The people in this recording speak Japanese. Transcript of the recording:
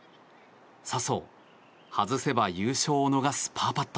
笹生、外せば優勝を逃すパーパット。